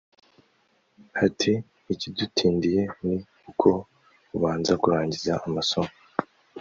Ati “Ikidutindiye ni uko abanza kurangiza amasomo